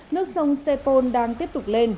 nước sông sepol đang tiếp tục lên